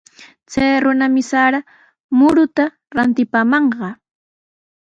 Chay runami sara muruta rantikamanqa.